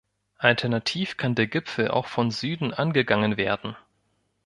Alternativ kann der Gipfel auch von Süden angegangen werden.